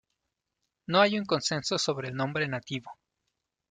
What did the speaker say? No hay un consenso sobre el nombre nativo.